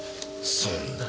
そんな。